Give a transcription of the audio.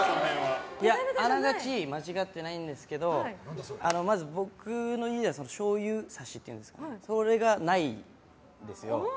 あながち間違ってないんですけど僕の家にはしょうゆさしというんですかそれがないんですよ。